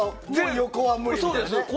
横は無理みたいな。